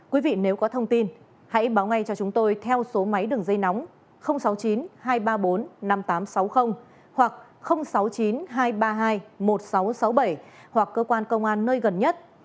quý vị nếu có thông tin hãy báo ngay cho chúng tôi theo số máy đường dây nóng sáu mươi chín hai trăm ba mươi bốn năm nghìn tám trăm sáu mươi hoặc sáu mươi chín hai trăm ba mươi hai một nghìn sáu trăm sáu mươi bảy hoặc cơ quan công an nơi gần nhất